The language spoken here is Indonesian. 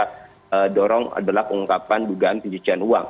yang mendorong adalah pengungkapkan dugaan pencucian uang